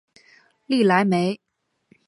利莱梅。